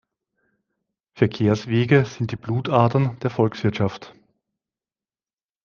Verkehrswege sind die Blutadern der Volkswirtschaft.